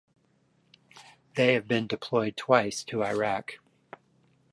They have been deployed twice to Iraq.